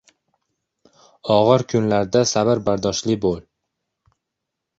— Og‘ir kunlarda sabr-bardoshli bo‘l.